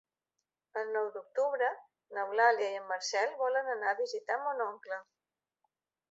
El nou d'octubre n'Eulàlia i en Marcel volen anar a visitar mon oncle.